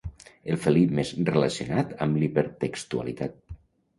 El felí més relacionat amb l'hipertextualitat.